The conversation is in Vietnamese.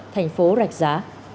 thành phố rạch giá